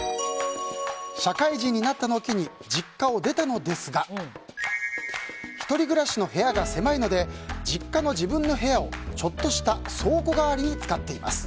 社会人になったのを機に実家を出たのですが１人暮らしの部屋が狭いので実家の自分の部屋をちょっとした倉庫代わりに使っています。